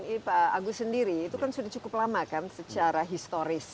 ini pak agus sendiri itu kan sudah cukup lama kan secara historis